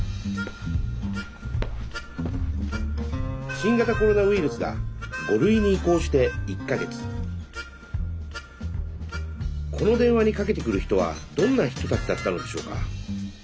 新型コロナウイルスが５類に移行して１か月この電話にかけてくる人はどんな人たちだったのでしょうか。